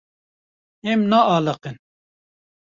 Em naaliqin.